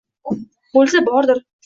Bo‘lsa bordir.